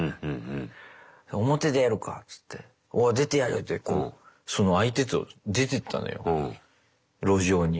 表出るかっておお出てやるってその相手と出てったのよ路上に。